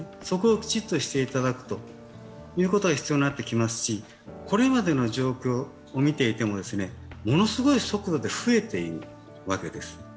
そこをきちっとしていただくことが必要になってきますし、これまでの状況を見ていても、ものすごい速度で増えているわけです。